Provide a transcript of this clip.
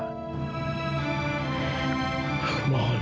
jangan pernah tinggalin aku ya mila